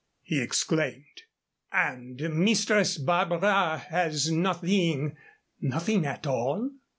he exclaimed; "and Mistress Barbara has nothing nothing at all?"